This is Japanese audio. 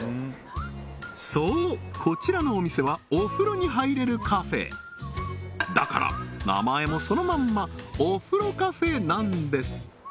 そうこちらのお店はお風呂に入れるカフェだから名前もそのまんまおふろカフェなんです